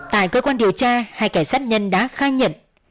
tại cơ quan điều tra hai kẻ sát nhân đã khai nhận